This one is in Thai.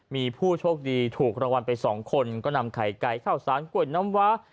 มีผู้โชคดีถูกรางวัลไปสองคนก็นำไข่ไก่ข้าวสารกล้วยน้ำว้า